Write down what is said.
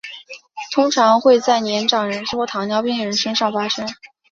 通常会在年长人士或糖尿病人身上发生。